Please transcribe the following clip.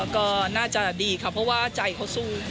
ก็น่าจะดีค่ะเพราะว่าใจเขาสู้